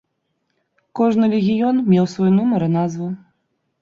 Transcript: Кожны легіён меў свой нумар і назву.